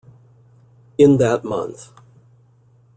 In that month.